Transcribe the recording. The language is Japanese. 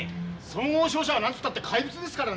総合商社は何つったって怪物ですからね。